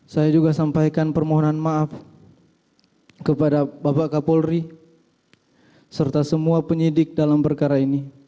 saya juga sampaikan permohonan maaf kepada bapak kapolri serta semua penyidik dalam perkara ini